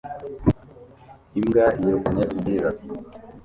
Imbwa yirukanye umupira